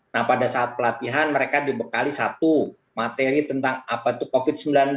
nah pada saat pelatihan mereka dibekali satu materi tentang apa itu covid sembilan belas